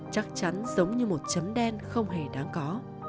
chắc chắn giống như một chấm đen không hề đáng có